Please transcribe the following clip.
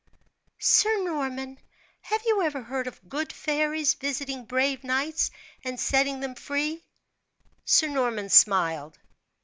"Sir Norman, have you ever heard of good fairies visiting brave knights and setting them free?" Sir Norman smiled.